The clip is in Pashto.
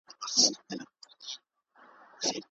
څنګه کولای سو د ښوونکو معاشونه او امتیازات زیات کړو؟